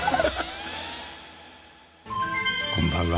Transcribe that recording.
こんばんは。